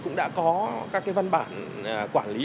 cũng đã có các văn bản quản lý